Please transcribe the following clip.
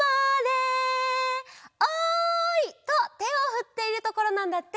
「おい」とてをふっているところなんだって。